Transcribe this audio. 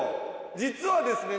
実はですね